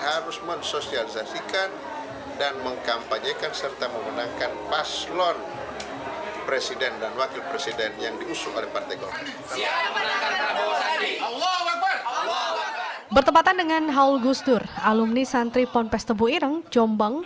alumni santri pondok pesantren tebu irng jombang